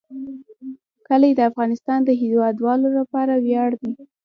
کلي د افغانستان د هیوادوالو لپاره ویاړ دی.